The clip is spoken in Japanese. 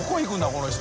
この人。